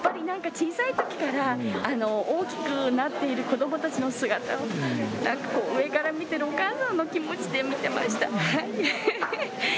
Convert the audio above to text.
なんか小さいときから大きくなっている子どもたちの姿を、上から見てるお母さんの気持ちで見てました。